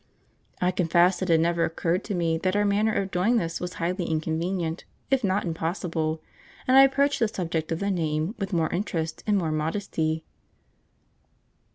I confess it had never occurred to me that our manner of doing was highly inconvenient, if not impossible, and I approached the subject of the name with more interest and more modesty.